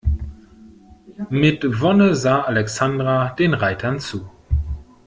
Mit Wonne sah Alexandra den Reitern zu.